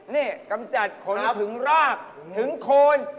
นี่กำจัดขนถึงรากถึงโคน